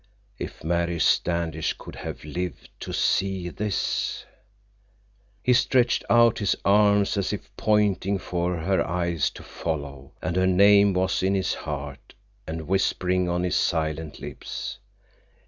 If Mary Standish could have lived to see this! He stretched out his arms, as if pointing for her eyes to follow, and her name was in his heart and whispering on his silent lips.